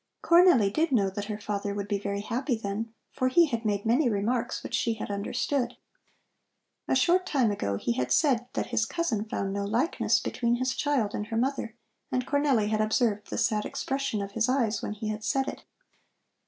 Cornelli did know that her father would be very happy then, for he had made many remarks which she had understood. A short time ago he had said that his cousin found no likeness between his child and her mother, and Cornelli had observed the sad expression of his eyes when he had said it.